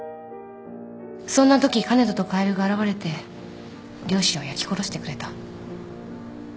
そんなとき香音人とカエルが現れて両親を焼き殺してくれた。